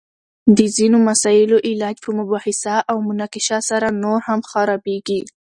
د ځینو مسائلو علاج په مباحثه او مناقشه سره نور هم خرابیږي!